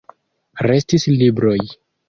Restis libroj.